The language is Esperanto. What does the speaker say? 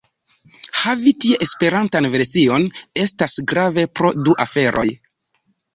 Havi tie Esperantan version estas grave pro du aferoj.